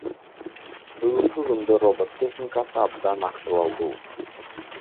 Бүгүнкү күндө робот техникасы абдан актуалдуу.